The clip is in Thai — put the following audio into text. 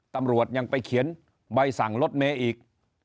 ตำรวจยังไปเขียนใบสั่งรถเมย์อีก